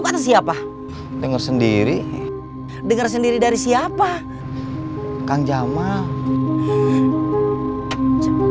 kata siapa denger sendiri denger sendiri dari siapa kang jamal halo si jamal kebocoran jadian mau